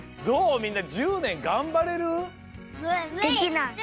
みんな１０ねんがんばれる？